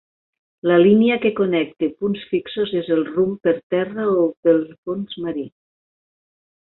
La línia que connecta punts fixos és el rumb per terra o pel fons marí.